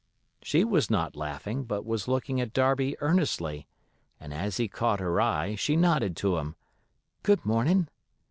She was not laughing, but was looking at Darby earnestly, and as he caught her eye she nodded to him, "Good mornin'."